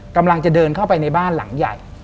กำลังจะเดินเข้าไปในบ้านหลังใหญ่